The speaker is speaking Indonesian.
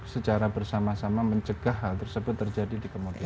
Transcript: secara bersama sama mencegah hal tersebut terjadi di kemudian